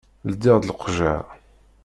Ldiɣ-d leqjer.